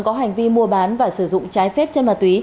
có hành vi mua bán và sử dụng trái phép chân ma túy